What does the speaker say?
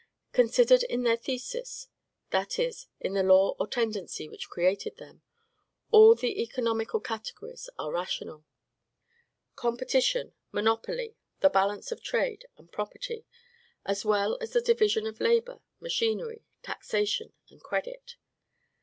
Considered in their thesis, that is, in the law or tendency which created them, all the economical categories are rational, competition, monopoly, the balance of trade, and property, as well as the division of labor, machinery, taxation, and credit.